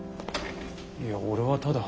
いや俺はただ。